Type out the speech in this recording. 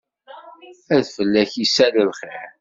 Ad fell-ak isal xiṛ.